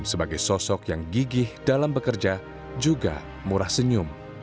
sebagai sosok yang gigih dalam bekerja juga murah senyum